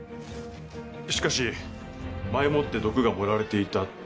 しかし前もって毒が盛られていたとなると。